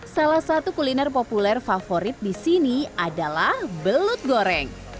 salah satu kuliner populer favorit di sini adalah belut goreng